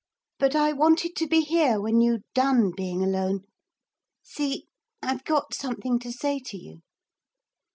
But I wanted to be here when you'd done being alone. See? I've got something to say to you.'